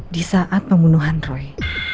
di saat pembunuhan roy